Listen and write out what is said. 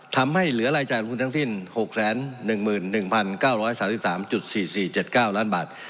ทำให้เหลือรายจ่ายลงทุนทั้งสิ้น๖๑๑๙๓๓๔๔๗๙ล้านบาท